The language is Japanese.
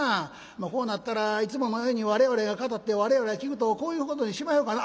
こうなったらいつものように我々が語って我々が聴くとこういうことにしまひょうかな」。